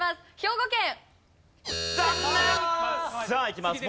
さあいきます。